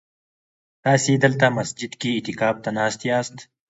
تاسي دلته مسجد کي اعتکاف ته ناست ياست؟